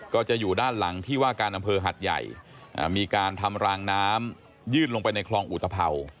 ก็จะอยู่ด้านหลังที่ว่าการอำเภอหัดใหญ่มีการทำรางน้ำยื่นลงไปในคลองอุตภัว